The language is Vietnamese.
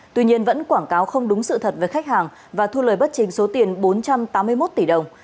tuy nhiên vẫn quảng cáo không đúng sự thật về khách hàng và thu lời bất trình số tiền bốn trăm tám mươi một tỷ đồng